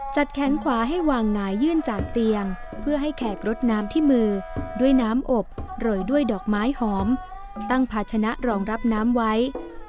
แขนขวาให้วางหงายยื่นจากเตียงเพื่อให้แขกรดน้ำที่มือด้วยน้ำอบโรยด้วยดอกไม้หอมตั้งภาชนะรองรับน้ำไว้